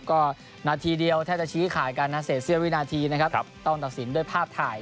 ก็นาทีเดียวแท่จะชี้ข่ายกันเสียวินาทีต้องตัดสินด้วยภาพถ่าย